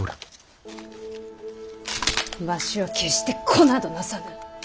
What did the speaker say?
わしは決して子などなさぬ。